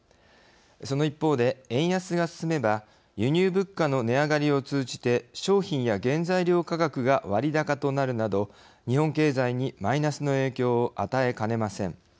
その一方で、円安が進めば輸入物価の値上がりを通じて商品や原材料価格が割高となるなど日本経済にマイナスの影響を与えかねません。